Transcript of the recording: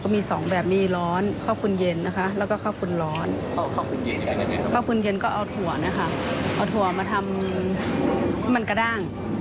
เมื่อฟื้นเย็นก็เอาถั่วนะครับเอาถั่วมาทำมันกระด้าง